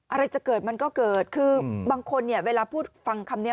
อะไรจะเกิดมันก็เกิดคือบางคนเนี่ยเวลาพูดฟังคำนี้